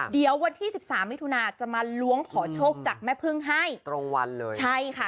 เดี๋ยววันที่สิบสามมิถุนาจะมาล้วงขอโชคจากแม่พึ่งให้ตรงวันเลยใช่ค่ะ